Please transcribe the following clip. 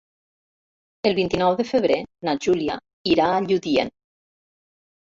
El vint-i-nou de febrer na Júlia irà a Lludient.